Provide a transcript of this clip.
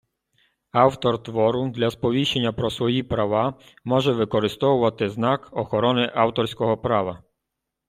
автор твору для сповіщення про свої права може використовувати знак охорони авторського права